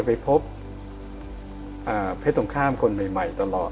เพื่อต้องข้ามคนใหม่ตลอด